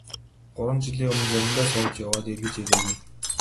Гурван жилийн өмнө завиндаа сууж яваад эргэж ирээгүй.